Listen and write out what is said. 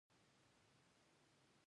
کله چې د ټوکر اوبدلو صنعت پرمختګ وکړ